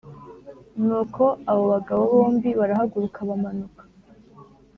Nuko abo bagabo bombi baragaruka bamanuka